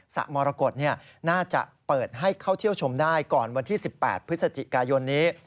มรกฏน่าจะเปิดให้เข้าเที่ยวชมได้ก่อนวันที่๑๘พฤศจิกายนนี้